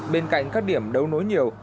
bên cạnh các điểm đấu nối nhiều